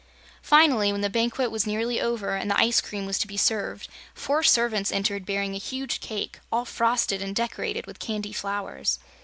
Finally, when the banquet was nearly over and the ice cream was to be served, four servants entered bearing a huge cake, all frosted and decorated with candy flowers.